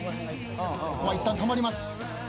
ここはいったん止まります。